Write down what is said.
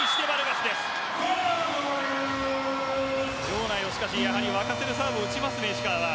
しかし場内を沸かせるサーブを打ちますね、石川。